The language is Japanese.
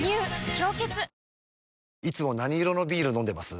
「氷結」いつも何色のビール飲んでます？